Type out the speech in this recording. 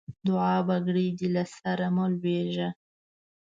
دوعا؛ بګړۍ دې له سره مه لوېږه.